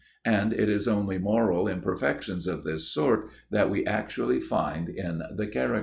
And it is only moral imperfections of this sort that we actually find in The Characters.